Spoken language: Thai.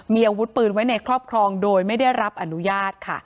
มีอาวุธปืนไว้ในครอบครองโดยไม่ได้รับอนุญาตค่ะ